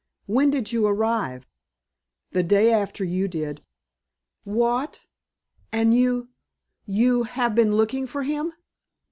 When did you arrive?" "The day after you did." "What? And you you have been looking for him?"